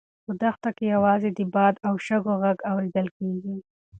په دښته کې یوازې د باد او شګو غږ اورېدل کېږي.